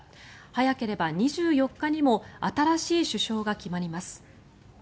早ければ２４日にも新しい首相が決まります。